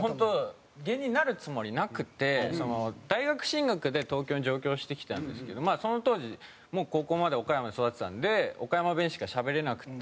芸人になるつもりなくて大学進学で東京に上京してきたんですけどその当時もう高校まで岡山で育ってたんで岡山弁しかしゃべれなくて。